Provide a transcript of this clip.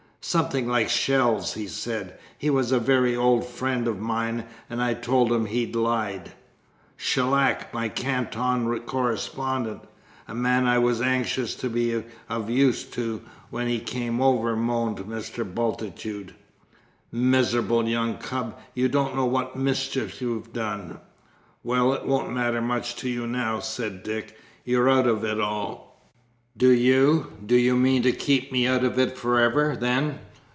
"Something like 'Shells.' He said he was a very old friend of mine, and I told him he lied." "Shellack my Canton correspondent a man I was anxious to be of use to when he came over!" moaned Mr. Bultitude. "Miserable young cub, you don't know what mischief you've done!" "Well, it won't matter much to you now," said Dick; "you're out of it all." "Do you do you mean to keep me out of it for ever, then?"